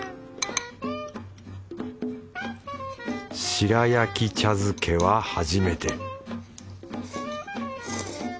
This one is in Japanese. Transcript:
白焼き茶漬けは初めて